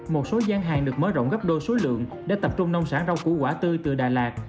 một số gian hàng được mới rộng gấp đôi số lượng đã tập trung nông sản rau củ quả tư từ đà lạt